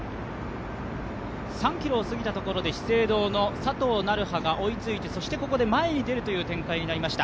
３ｋｍを過ぎたところで資生堂の佐藤成葉が追いついてそしてここで前に出るという展開になりました。